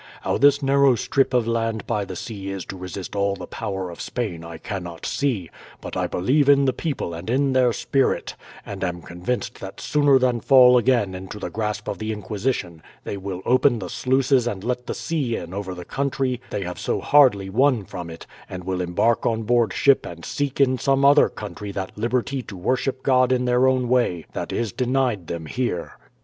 How this narrow strip of land by the sea is to resist all the power of Spain I cannot see; but I believe in the people and in their spirit, and am convinced that sooner than fall again into the grasp of the Inquisition they will open the sluices and let the sea in over the country they have so hardly won from it, and will embark on board ship and seek in some other country that liberty to worship God in their own way that is denied them here."